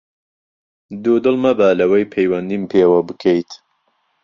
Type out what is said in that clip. دوودڵ مەبە لەوەی پەیوەندیم پێوە بکەیت!